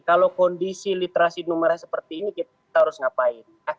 kalau kondisi literasi numerah seperti ini kita harus ngapain